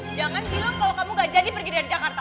jangan bilang kalau kamu gak jadi pergi dari jakarta